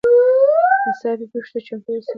ناڅاپي پیښو ته چمتو اوسئ.